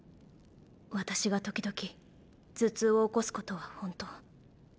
私が時々頭痛を起こすことは本当。